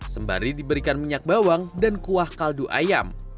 sembari diberikan minyak bawang dan kuah kaldu ayam